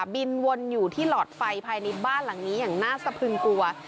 บินวนอยู่ที่หลอดไฟภายในบ้านหลังนี้อย่างน่าสะพึงกลัว